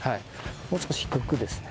もう少し低くですね